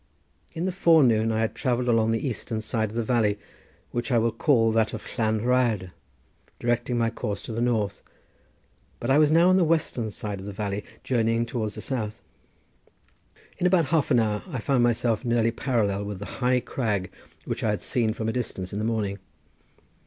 In the forenoon I had travelled along the eastern side of the valley, which I will call that of Llan Rhyadr, directing my course to the north, but I was now on the western side of the valley journeying towards the south. In about half an hour I found myself nearly parallel with the high crag which I had seen from a distance in the morning.